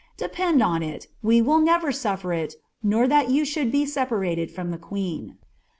Depend on it, we wil Hver nulfer it, nor ihai you should be separated from the queen.'